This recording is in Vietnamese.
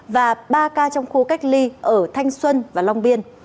và ba ca trong khu cách ly ở thanh xuân và long biên